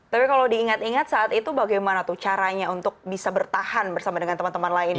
tapi kalau diingat ingat saat itu bagaimana tuh caranya untuk bisa bertahan bersama dengan teman teman lainnya